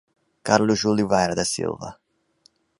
Carlos Oliveira da Silva